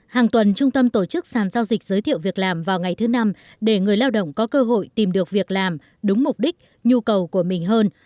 hàng tuần trung tâm tổ chức sàn giao dịch giới thiệu việc làm vào ngày thứ năm để người lao động có cơ hội tìm được việc làm đúng mục đích nhu cầu của mình hơn